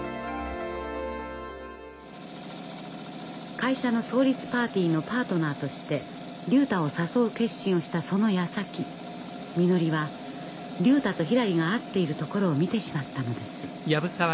会社の創立パーティーのパートナーとして竜太を誘う決心をしたそのやさきみのりは竜太とひらりが会っているところを見てしまったのです。